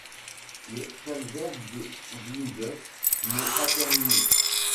Le calvaire de Dingler n’est pas terminé.